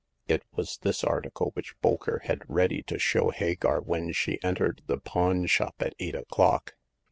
It was this article which Bolker had ready to show Hagar when she entered the pawn shop at eight o'clock.